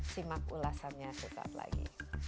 simak ulasannya sekejap lagi